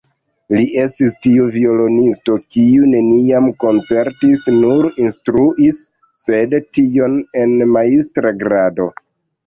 Li estis tiu violonisto, kiu neniam koncertis, nur instruis, sed tion en majstra grado.